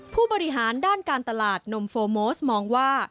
ผู้บริหารด้านการตลาดนมโฟโมสมองว่า